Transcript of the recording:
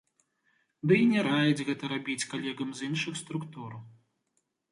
Дый не раяць гэта рабіць калегам з іншых структур.